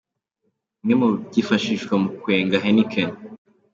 Bimwe mu byifashishwa mu kwenga Heineken.